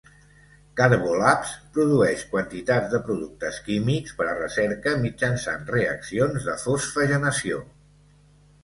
Carbolabs produeix quantitats de productes químics per a recerca mitjançant reaccions de fosfagenació.